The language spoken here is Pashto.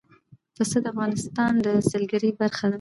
پسه د افغانستان د سیلګرۍ برخه ده.